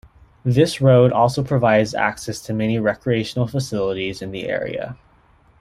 This road also provides access to many recreational facilities in the area.